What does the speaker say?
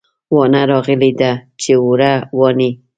واڼه راغلې ده چې اوړه واڼي